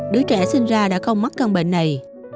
đứa trẻ sinh ra đã không mắc căn bệnh này